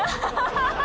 ハハハ！